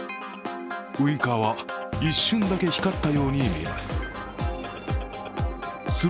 ウインカーは一瞬だけ光ったように見えます。